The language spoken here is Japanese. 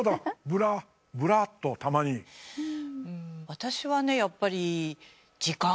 私はねやっぱり。